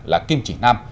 là kim chỉ nam